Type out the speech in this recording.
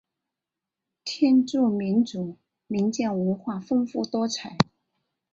天柱民族民间文化丰富多彩。